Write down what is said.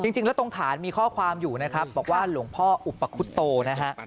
จริงแล้วตรงฐานมีข้อความอยู่นะครับบอกว่าหลวงพ่ออุปคุตโตนะฮะ